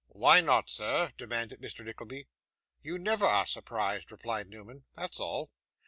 'Why not, sir?' demanded Mr. Nickleby. 'You never are surprised,' replied Newman, 'that's all.